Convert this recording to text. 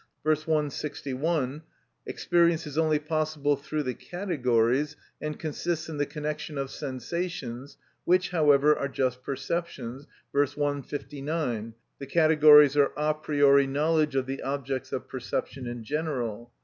V. p. 161, experience is only possible through the categories, and consists in the connection of sensations, which, however, are just perceptions. V. p. 159, the categories are a priori knowledge of the objects of perception in general.